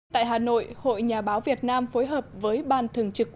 tại hà nội hội nhà báo việt nam phối hợp với ban thường trực